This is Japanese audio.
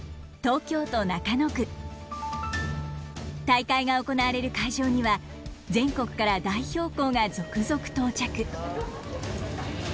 大会が行われる会場には全国から代表校が続々到着。